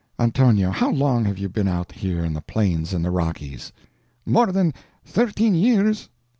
Antonio, how long have you been out here in the Plains and the Rockies?" "More than thirteen years."